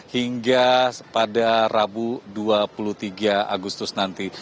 hingga pada rabu dua puluh tiga agustus nanti